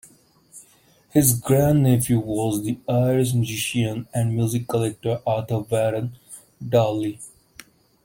His grandnephew was the Irish musician and music collector Arthur Warren Darley.